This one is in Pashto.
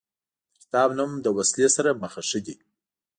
د کتاب نوم له وسلې سره مخه ښه دی.